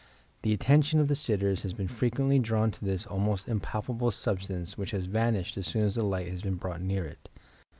The attention of the sitters has been frequently drawn to this almost impalpable sub stance which has vanished as soon as the light has been brought near it